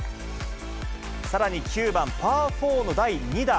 さらに９番パー４の第２打。